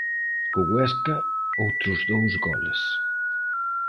Co Huesca, outros dous goles.